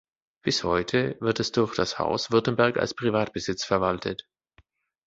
Bis heute wird es durch das Haus Württemberg als Privatbesitz verwaltet.